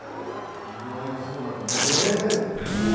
色合いがそうだと思った。